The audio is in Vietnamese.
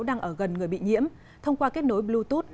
đang ở gần người bị nhiễm thông qua kết nối bluetooth